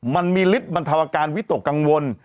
มันมีฤทธิ์บรรเทาอาการวิตกกังวล